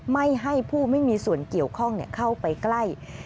ไม่ให้ผู้ไม่มีส่วนเกี่ยวข้องเข้าไปใกล้